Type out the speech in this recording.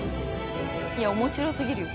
いや面白すぎるよ。